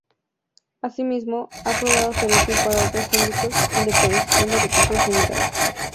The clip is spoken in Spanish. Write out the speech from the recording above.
Asimismo, ha probado ser útil para otros ámbitos de producción de recursos limitados.